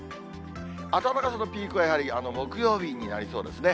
暖かさのピークはやはり木曜日になりそうですね。